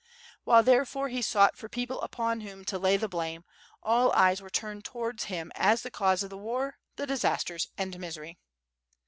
While therefore he sought for people upon whom to lay the blame, all eyes were turned towards him as the cause of the war, the disasters, and misery.